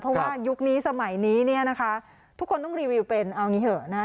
เพราะว่ายุคนี้สมัยนี้เนี่ยนะคะทุกคนต้องรีวิวเป็นเอางี้เถอะนะคะ